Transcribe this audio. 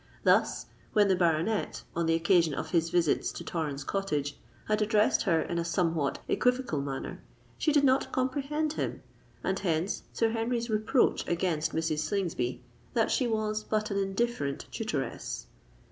Thus, when the baronet, on the occasion of his visits to Torrens Cottage, had addressed her in a somewhat equivocal manner, she did not comprehend him; and hence Sir Henry's reproach against Mrs. Slingsby, "that she was but an indifferent tutoress."